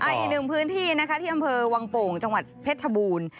อีกหนึ่งพื้นที่นะคะที่อำเภอวังโป่งจังหวัดเพชรชบูรณ์